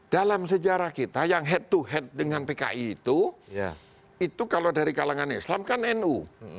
dalam sejarah kita yang head to head dengan pki itu itu kalau dari kalangan islam kan nu